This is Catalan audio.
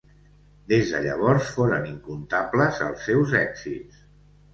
Des de llavors foren incomptables els seus èxits.